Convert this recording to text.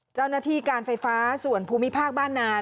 เจ้าหน้าที่การไฟฟ้าส่วนภูมิภาคบ้านนาน